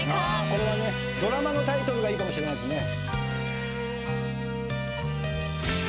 これはねドラマのタイトルがいいかもしれないですね。